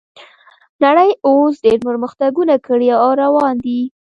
نړۍ اوس ډیر پرمختګونه کړي او روان دي